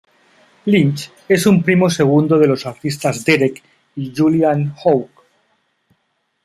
Lynch es un primo segundo de los artistas Derek y Julianne Hough.